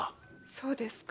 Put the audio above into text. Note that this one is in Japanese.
そうですか。